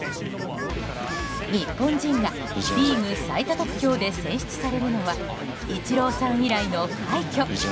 日本人がリーグ最多得票で選出されるのはイチローさん以来の快挙。